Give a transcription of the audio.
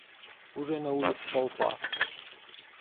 Уже на улице толпа.